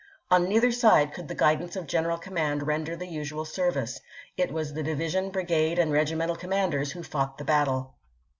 On neither side could the guidance of gen eral command render the usual service ; it was the division, brigade, and regimental commanders who fought the battle.